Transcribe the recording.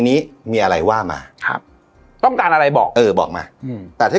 นี้มีอะไรว่ามาครับต้องการอะไรบอกเออบอกมาอืมแต่ถ้า